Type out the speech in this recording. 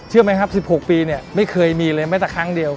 เชื่อมั้ยครับ๑๖ปีเนี่ยไม่เคยมีเลยไม่แต่ครั้งเดียว